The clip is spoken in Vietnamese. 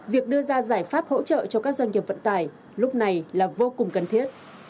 việc đưa ra giải pháp hỗ trợ cho các doanh nghiệp vận tải lúc này là vô cùng cần thiết